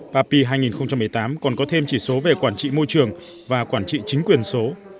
papi hai nghìn một mươi tám còn có thêm chỉ số về quản trị môi trường và quản trị chính quyền số